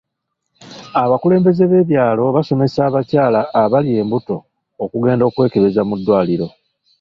Abakulembeze b'ebyalo basomesa abakyala abali embuto okugendanga okwekebeza mu ddwaliro.